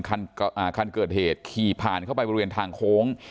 คันเกิดเหตุขี่ผ่านเข้าไปบริเวณทางโค้ง